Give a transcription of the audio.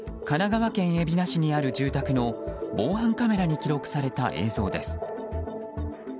神奈川県海老名市にある住宅の防犯カメラに記録された映像です。